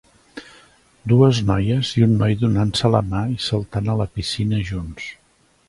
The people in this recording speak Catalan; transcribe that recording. Dues noies i un noi donant-se la mà i saltant a la piscina junts.